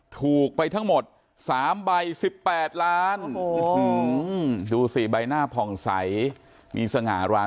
ถูกไปทั้งหมด๓ใบ๑๘ล้านดูสิใบหน้าผ่องใสมีสง่ารา